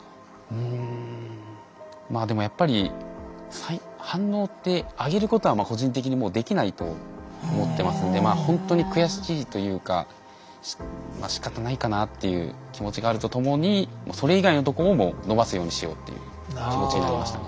うんまあでもやっぱり反応って上げることは個人的にもうできないと思ってますんでほんとに悔しいというかしかたないかなっていう気持ちがあると共にそれ以外のとこを伸ばすようにしようっていう気持ちになりましたね。